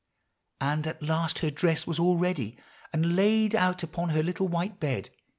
And at last her dress was all ready, and laid out upon her little white bed.